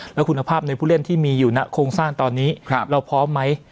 แล้วคุณภาพในผู้เล่นที่มีอยู่ณโครงสร้างตอนนี้เราพร้อมไหม